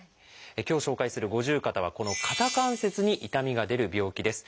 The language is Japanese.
今日紹介する五十肩はこの肩関節に痛みが出る病気です。